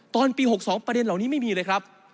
ตอนปี๖๒ประเด็นเหล่านี้ไม่มีเลยครับ